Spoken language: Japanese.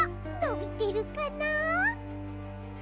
のびてるかな。